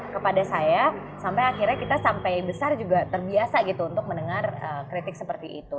kepada saya sampai akhirnya kita sampai besar juga terbiasa gitu untuk mendengar kritik seperti itu